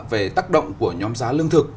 về tác động của nhóm giá lương thực